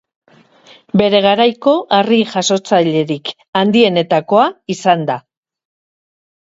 Bere garaiko harri-jasotzailerik handienetakoa izan da.